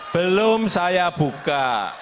belum saya buka